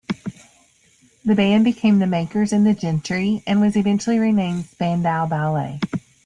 The band became the Makers and the Gentry, and was eventually renamed Spandau Ballet.